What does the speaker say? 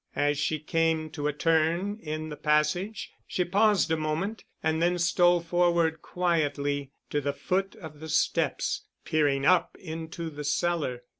As she came to a turn in the passage she paused a moment and then stole forward quietly, to the foot of the steps, peering up into the cellar.